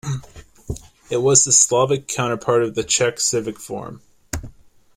It was the Slovak counterpart of the Czech Civic Forum.